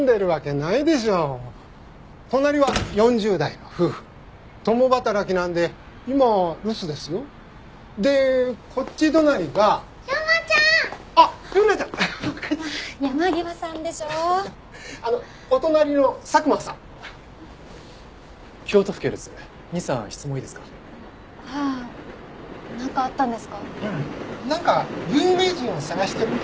なんか有名人を探してるみたい。